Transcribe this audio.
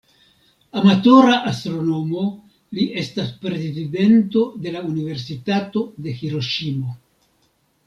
Amatora astronomo, li estas prezidento de la Universitato de Hiroŝimo.